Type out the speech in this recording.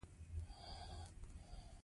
د خونې شمېرنه ناروغي ښيي.